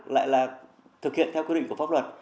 lại là thực hiện theo quy định của pháp luật